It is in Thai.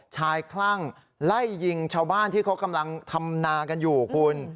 คลั่งไล่ยิงชาวบ้านที่เขากำลังทำนากันอยู่คุณ